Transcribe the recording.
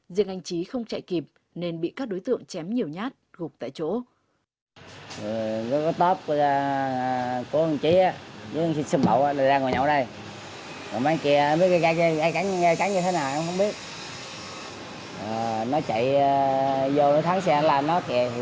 riêng anh trí không chạy kịp nên bị các đối tượng chém nhiều nhát gục tại chỗ